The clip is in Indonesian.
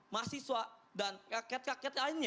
mahasiswa dan rakyat rakyat lainnya